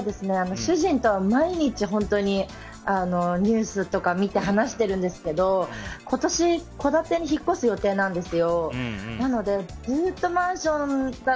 主人とは毎日ニュースとか見て話してるんですけど今年、戸建てに引っ越す予定なんですよ。